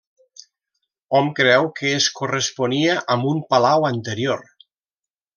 Hom creu que es corresponia amb un palau anterior.